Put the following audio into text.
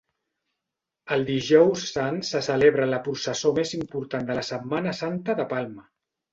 El Dijous Sant se celebra la processó més important de la Setmana Santa de Palma.